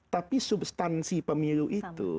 tapi substansi pemilu itu